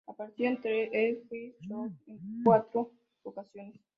Apareció en "The Ed Sullivan Show" en cuatro ocasiones.